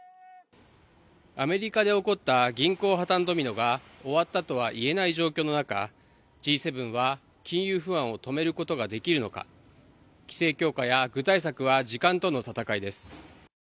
アメリカで起こった銀行破綻ドミノが終わったとは言えない状況の中、Ｇ７は金融不安を止めることはできるのか、規制強化や具体策は時間との闘いです。